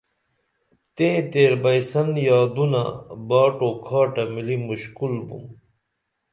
تیں تیر بئی سن یادونہ باٹ و کھاٹہ مِلی مُشکل بِم